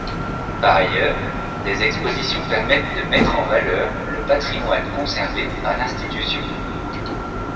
Par ailleurs, des expositions permettent de mettre en valeur le patrimoine conservé par l'institution.